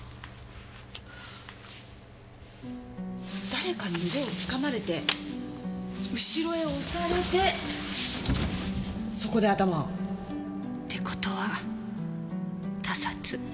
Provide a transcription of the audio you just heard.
誰かに腕を掴まれて後ろへ押されてそこで頭を。って事は他殺。